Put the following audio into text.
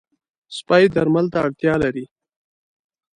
سپي درمل ته اړتیا لري.